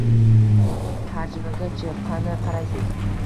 – Tarjimaga-chi, qanday qaraysiz?